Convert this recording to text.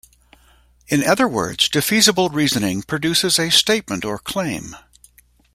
In other words defeasible reasoning produces a statement or claim.